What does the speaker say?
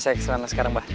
saya kesana sekarang bah